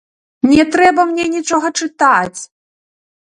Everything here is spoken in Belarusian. Не трэба мне нічога чытаць!